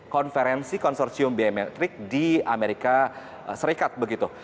konferensi konsorsium biometrik di amerika serikat begitu